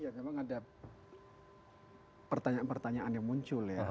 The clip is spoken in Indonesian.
ya memang ada pertanyaan pertanyaan yang muncul ya